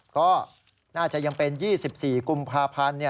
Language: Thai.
ก็น่าจะยังเป็น๒๔กุมภาพันธ์